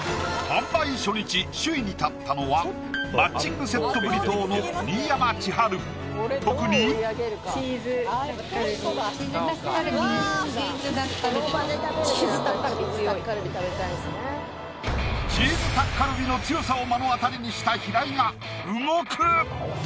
販売初日首位に立ったのはマッチングセットブリトーの新山千春特にチーズタッカルビの強さを目の当たりにした平井が動く！